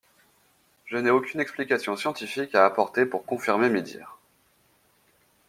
Je n’ai aucune explication scientifique à apporter pour confirmer mes dires.